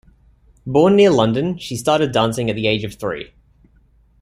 Born near London, she started dancing at the age of three.